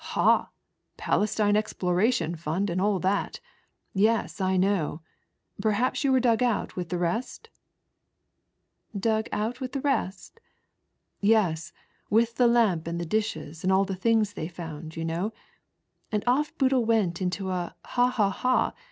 " Ha ! Palestine Exploration Fund and all that ; yeSj I know; perhaps yoa were dug out with the rest ?"" Dug ont with the rest ?"" Yes, with the lamp and the dishes, and all the things they found, you know ;" and off Boodle went into a Ha, ha, ha